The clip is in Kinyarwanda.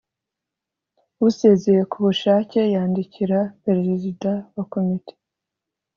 Usezeye ku bushake yandikira Perezida wa komite